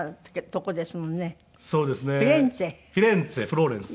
フィレンツェフローレンス。